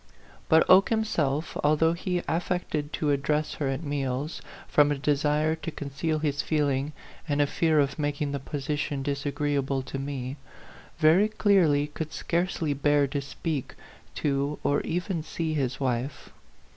But Oke himself, although he affected to address her at meals, from a de sire to conceal his feeling and a fear of making the position disagreeable to me, very clearly could scarcely bear to speak to or even see his wife.